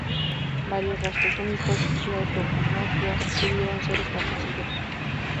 Varios rasgos únicos, o autapomorfias, pudieron ser establecidos.